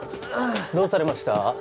どうされました？